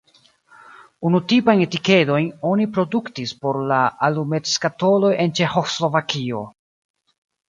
Unutipajn etikedojn oni produktis por la alumetskatoloj en Ĉeĥoslovakio.